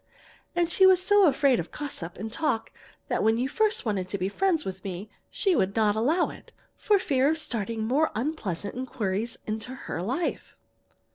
And she was so afraid of gossip and talk that when you first wanted to be friends with me she would not allow it, for fear of starting more unpleasant inquiries into her life."